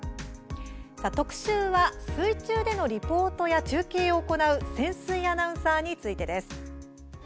特集は水中でのリポートや中継を行う潜水アナウンサーについてです。